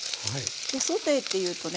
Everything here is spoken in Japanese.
でソテーっていうとね